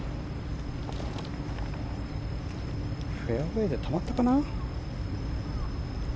フェアウェーで止まったかな？